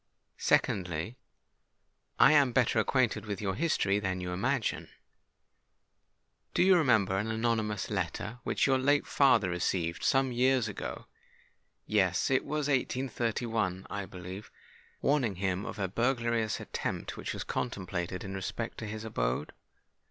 Secondly, I am better acquainted with your history than you imagine. Do you remember an anonymous letter which your late father received—some years ago,—yes—it was in 1831, I believe,—warning him of a burglarious attempt which was contemplated in respect to his abode?"